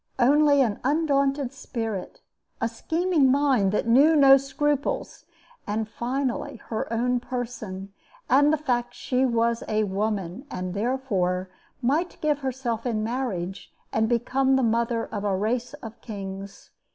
Only an undaunted spirit, a scheming mind that knew no scruples, and finally her own person and the fact that she was a woman, and, therefore, might give herself in marriage and become the mother of a race of kings.